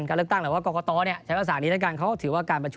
คือการเลือกตั้งหรือว่ากลกวะเตาะนี้